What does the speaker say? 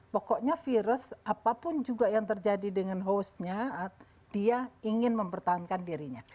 pokoknya virus apapun juga yang terjadi dengan hostnya dia ingin mempertahankan dirinya